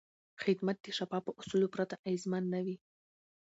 خدمت د شفافو اصولو پرته اغېزمن نه وي.